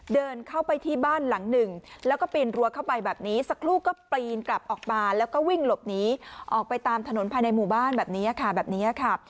เดินเข้าไปที่บ้านหลังหนึ่งแล้วก็ปีนรั้วเข้าไปแบบนี้สักครู่ก็ปีนกลับออกมาแล้วก็วิ่งหลบหนีออกไปตามถนนภายในหมู่บ้านแบบนี้ค่ะแบบนี้ค่ะ